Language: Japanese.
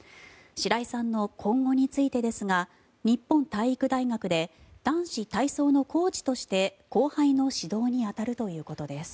白井さんの今後についてですが日本体育大学で男子体操のコーチとして後輩の指導に当たるということです。